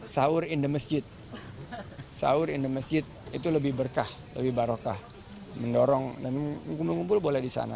sahur in the masjid sahur in the masjid itu lebih berkah lebih barokah mendorong namun ngumpul ngumpul boleh di sana